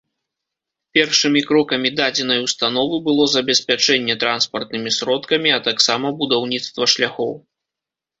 Першымі крокамі дадзенай установы было забеспячэнне транспартнымі сродкамі, а таксама будаўніцтва шляхоў.